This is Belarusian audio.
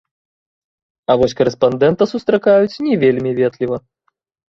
А вось карэспандэнта сустракаюць не вельмі ветліва.